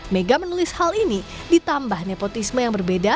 mega menulis hal ini ditambah nepotisme yang berbeda